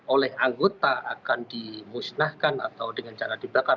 oleh anggota akan dimusnahkan atau dengan cara dibakar